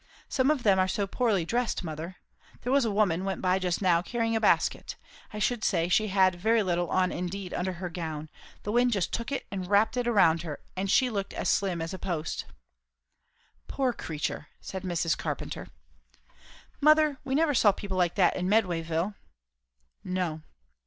Some of them are so poorly dressed, mother! there was a woman went by just now, carrying a basket; I should say she had very little on indeed under her gown; the wind just took it and wrapped it round her, and she looked as slim as a post." "Poor creature!" said Mrs. Carpenter. "Mother, we never saw people like that in Medwayville." "No."